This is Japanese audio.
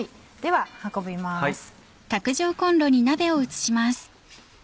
では運びます。